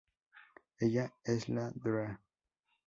Ella es la Dra.